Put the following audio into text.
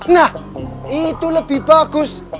nah itu lebih bagus